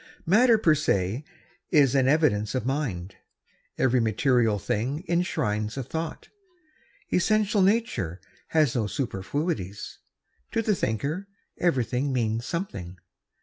Matter per se is an evidence of mind. Every material thing enshrines a thought. Essential nature has no superfluities. To the thinker everything means something.